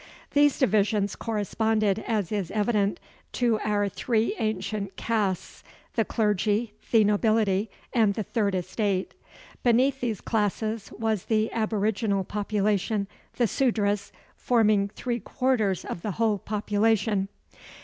These divisions corresponded, as is evident, to our three ancient castes, the clergy, the nobility, and the third estate. Beneath these classes was the aboriginal population, the Sudras, forming three quarters of the whole population.